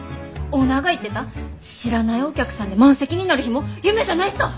オーナーが言ってた知らないお客さんで満席になる日も夢じゃないさ！